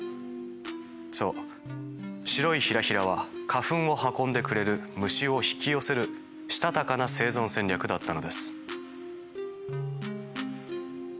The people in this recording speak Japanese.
そう白いひらひらは花粉を運んでくれる虫を引き寄せるしたたかな生存戦略だったのです。